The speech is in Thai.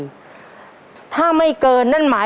จะทำเวลาไหมครับเนี่ย